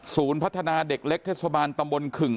พัฒนาเด็กเล็กเทศบาลตำบลขึ่ง